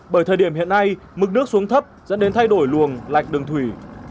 bởi thời điểm hiện nay mực nước xuống thấp dẫn đến thay đổi luồng lạch đường thủy